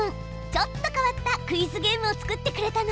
ちょっと変わったクイズゲームを作ってくれたの。